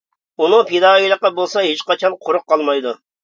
ئۇنىڭ پىدائىيلىقى بولسا ھېچقاچان قۇرۇق قالمايدۇ.